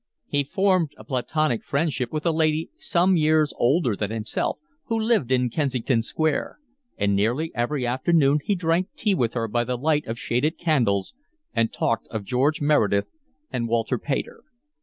He formed a platonic friendship with a lady some years older than himself, who lived in Kensington Square; and nearly every afternoon he drank tea with her by the light of shaded candles, and talked of George Meredith and Walter Pater.